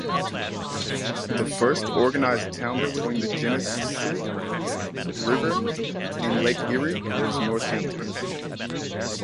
The first organized town between the Genesee River and Lake Erie was Northampton.